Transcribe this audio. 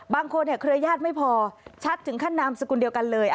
เครือญาติไม่พอชัดถึงขั้นนามสกุลเดียวกันเลย